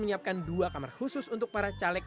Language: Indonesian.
menyiapkan dua kamar khusus untuk para caleg